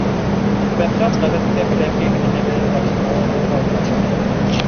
Бәхәс ғәҙәттә бәләкәй генә нәмәнән башлана ла ҙурға олғаша.